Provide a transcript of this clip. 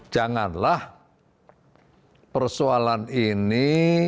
janganlah persoalan ini